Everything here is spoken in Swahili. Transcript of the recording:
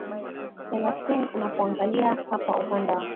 selastin unapoangalia hapa uganda